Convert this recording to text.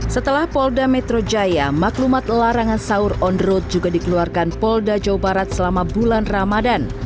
setelah polda metro jaya maklumat larangan sahur on road juga dikeluarkan polda jawa barat selama bulan ramadan